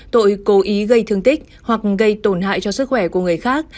tội cố ý gây thương tích hoặc gây tổn hại cho sức khỏe của người khác